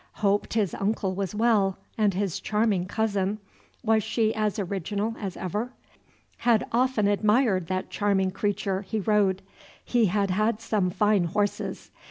Hoped his uncle was well, and his charming cousin, was she as original as ever? Had often admired that charming creature he rode: we had had some fine horses.